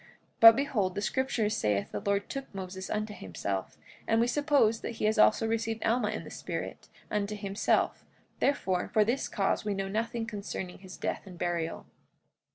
But behold, the scriptures saith the Lord took Moses unto himself; and we suppose that he has also received Alma in the spirit, unto himself; therefore, for this cause we know nothing concerning his death and burial.